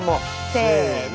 せの。